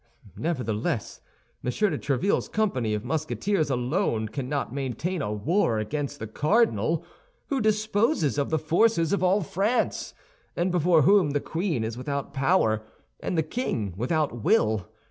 Nevertheless, Monsieur de Tréville's company of Musketeers alone cannot maintain a war against the cardinal, who disposes of the forces of all France, and before whom the queen is without power and the king without will.